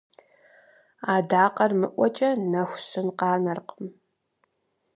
Адакъэр мыӀуэкӀэ нэху щын къанэркъым.